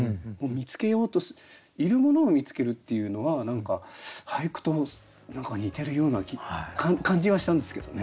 見つけようといるものを見つけるっていうのは何か俳句と似てるような感じはしたんですけどね。